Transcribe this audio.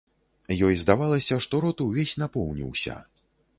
Ёй здавалася, што рот увесь напоўніўся.